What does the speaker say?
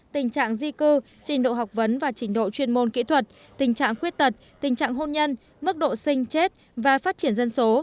tình trạng di cư trình độ học vấn và trình độ chuyên môn kỹ thuật tình trạng khuyết tật tình trạng hôn nhân mức độ sinh chết và phát triển dân số